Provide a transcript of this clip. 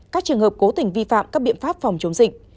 các trường hợp cố tình vi phạm các biện pháp phòng chống dịch